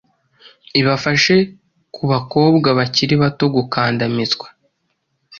ibafashe Kubakobwa bakiri bato gukandamizwa